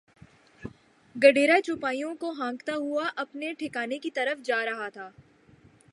گڈریا چوپایوں کو ہانکتا ہوا اپنے ٹھکانے کی طرف جا رہا تھا